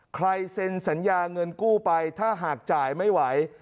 เซ็นสัญญาเงินกู้ไปถ้าหากจ่ายไม่ไหว